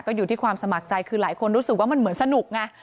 ก็อยู่ที่ความสมัครใจคือหลายคนรู้สึกว่ามันเหมือนสนุกไง